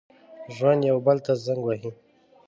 ژوندي یو بل ته زنګ وهي